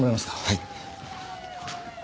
はい。